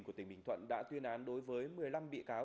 của tỉnh bình thuận đã tuyên án đối với một mươi năm bị cáo